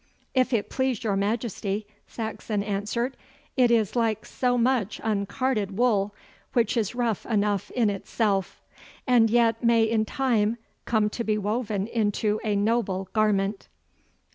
'If it please your Majesty,' Saxon answered, 'it is like so much uncarded wool, which is rough enough in itself, and yet may in time come to be woven into a noble garment.